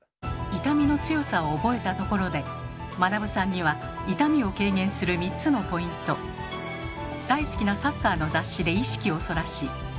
痛みの強さを覚えたところでまなぶさんには痛みを軽減する３つのポイント大好きなサッカーの雑誌で意識をそらし。